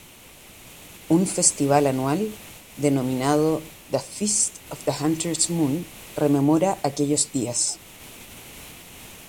Un festival anual, denominado "The Feast of the Hunters' Moon" rememora aquellos días.